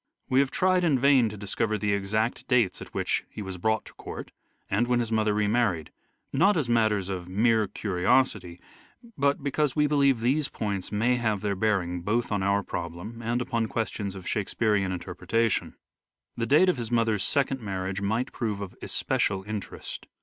We have tried mother. in vam to discover the exact dates at which he was brought to court, and when his mother remarried, not as matters of mere curiosity, but because we believe these points may have their bearing both on our problem and upon questions of Shakespearean inter pretation. The date of his mother's second marriage might prove of especial interest.